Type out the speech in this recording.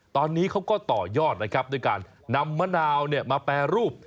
ตอนนี้เขาก็ต่อยอดนะครับด้วยการนำมะนาวมาแปรรูป